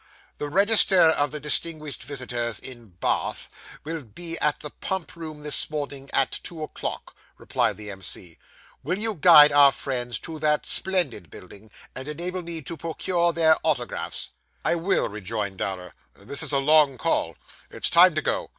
'The register of the distinguished visitors in Ba ath will be at the Pump Room this morning at two o'clock,' replied the M.C. 'Will you guide our friends to that splendid building, and enable me to procure their autographs?' 'I will,' rejoined Dowler. 'This is a long call. It's time to go.